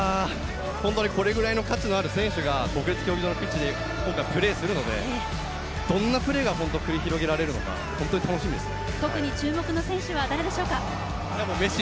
すごい数字ですし、いやこれくらいの価値のある選手が国立競技場のピッチで今回プレーするので、どんなプレーが繰り広げられるのかホント楽しみですね。